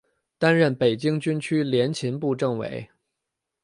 担任北京军区联勤部政委。